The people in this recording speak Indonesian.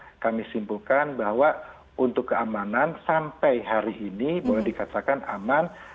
jadi boleh kami simpulkan bahwa untuk keamanan sampai hari ini boleh dikatakan aman